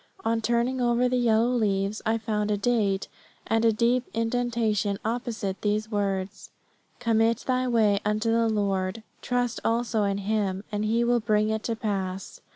On turning over the yellow leaves I found a date and a deep indentation opposite these words: "Commit thy way unto the Lord: trust also in Him: and He will bring it to pass."